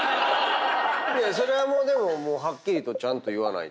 それはでもはっきりとちゃんと言わないと。